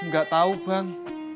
nggak tahu bang